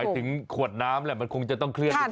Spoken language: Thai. ไปถึงขวดน้ำแหละมันคงจะต้องเคลื่อนที่อื่น